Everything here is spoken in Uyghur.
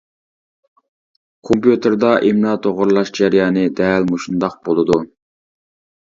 كومپيۇتېردا ئىملا توغرىلاش جەريانى دەل مۇشۇنداق بولىدۇ.